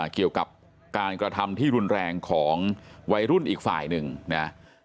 เกี่ยวกับการกระทำที่รุนแรงของวัยรุ่นอีกฝ่ายหนึ่งนะ